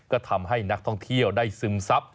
ก็ทำให้นักท่องเที่ยวได้ซึมซับ